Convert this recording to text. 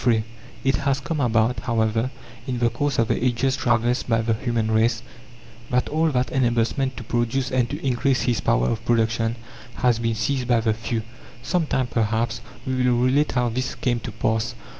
III It has come about, however, in the course of the ages traversed by the human race, that all that enables man to produce and to increase his power of production has been seized by the few. Some time, perhaps, we will relate how this came to pass.